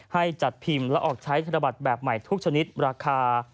ให้จัดพิมพ์และออกใช้ธนบัตรแบบใหม่ทุกชนิดราคา